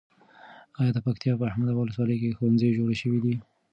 ایا د پکتیا په احمد اباد ولسوالۍ کې ښوونځي جوړ شوي دي؟